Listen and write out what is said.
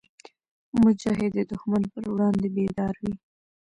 مجاهد د دښمن پر وړاندې بیدار وي.